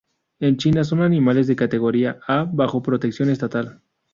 En China son animales de categoría A, bajo protección estatal.